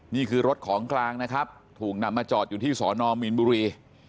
นี่คือรถของกลางนะครับถูกนำมาจอดอยู่ที่สอนอมีนบุรี